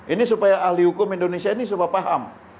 ini agar ahli hukum indonesia paham